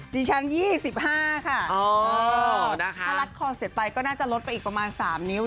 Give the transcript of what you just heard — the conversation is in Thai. ดิฉัน๒๕ค่ะถ้ารัดคอเสร็จไปก็น่าจะลดไปอีกประมาณ๓นิ้ว